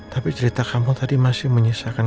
tapi cerita kampung tadi masih menyisakan